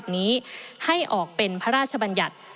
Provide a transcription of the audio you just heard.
นี้ให้ออกเป็นพระราชบัญญัติ